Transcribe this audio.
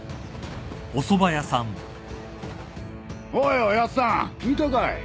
おいおやっさん聞いたかい？